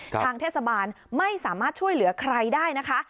ทางเทศบาลไม่สามารถช่วยเหลือใครได้นะคะ